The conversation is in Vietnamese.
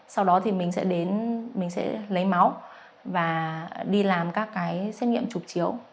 sau đó thì mình sẽ đến mình sẽ lấy máu và đi làm các cái xét nghiệm trục chiếu